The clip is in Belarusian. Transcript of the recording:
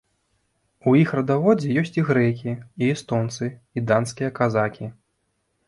У іх радаводзе ёсць і грэкі, і эстонцы, і данскія казакі.